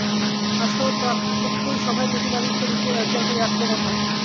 আজকাল প্রত্যই সভায় প্রতাপাদিত্যের উপর একবার করিয়া আক্রমণ হয়।